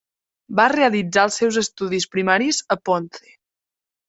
Va realitzar els seus estudis primaris a Ponce.